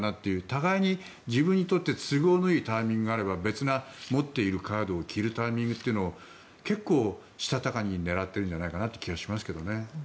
互いに自分にとって都合のいいタイミングがあれば別な、持っているカードを切るタイミングっていうのを結構したたかに狙っているんじゃないかという気がしますね。